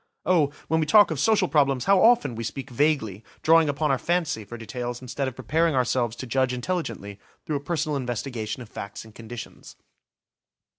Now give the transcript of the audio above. Oh, when we talk of social problems, how often we speak vaguely, drawing upon our fancy for details instead of preparing ourselves to judge intelligently through a personal investigation of facts and conditions.